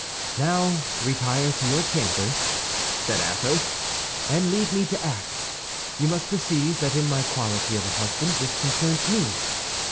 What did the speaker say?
"Now, retire to your chambers," said Athos, "and leave me to act. You must perceive that in my quality of a husband this concerns me.